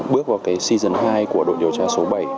bước vào cái czen hai của đội điều tra số bảy